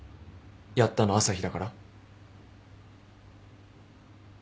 やったの朝比だから？